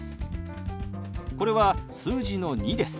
これは数字の２です。